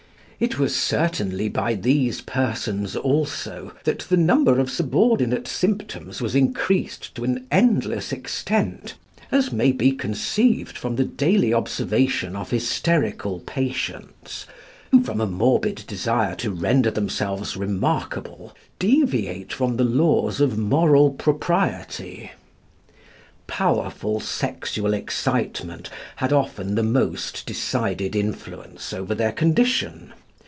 It was certainly by these persons also that the number of subordinate symptoms was increased to an endless extent, as may be conceived from the daily observation of hysterical patients who, from a morbid desire to render themselves remarkable, deviate from the laws of moral propriety. Powerful sexual excitement had often the most decided influence over their condition.